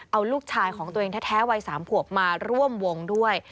เอาลูกชายของตัวเองแท้วัย๓ขวบมาร่วมวงด้วย